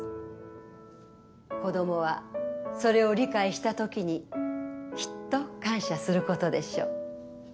子供はそれを理解したときにきっと感謝することでしょう。